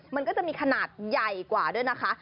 มันก็จะมีขนาดใหญ่กว่าด้วยนะคะ